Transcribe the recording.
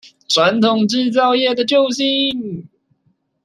傳統製造業的救星